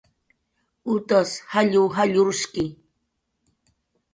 Utas jalluq jallurshki